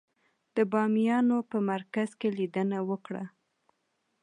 د بامیانو په مرکز کې لیدنه وکړه.